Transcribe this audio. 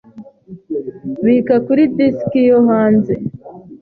Bika kuri disiki yo hanze.